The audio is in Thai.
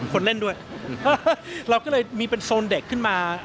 คนเล่นด้วยเราก็เลยมีเป็นโซนเด็กขึ้นมา